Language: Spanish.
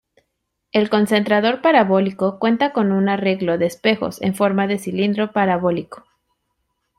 El concentrador parabólico cuenta con un arreglo de espejos en forma de cilindro parabólico.